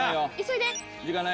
急いで！